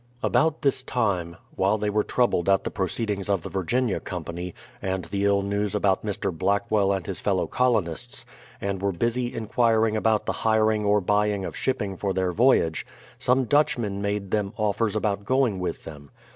About this time, while they were troubled at the proceed ings of the Virginia Company, and the ill news about Mr. Blackwell and his fellow colonists, and were busily enquir ing about the hiring or buying of shipping for their voyage, some Dutchmen made them offers about going with them.